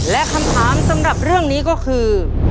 และคำถามสำหรับเรื่องนี้ก็คือ